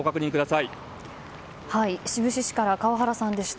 志布志市から川原さんでした